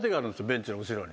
ベンチの後ろに。